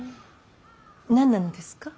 何なのですか。